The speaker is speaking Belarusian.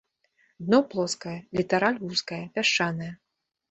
Дно плоскае, літараль вузкая, пясчаная.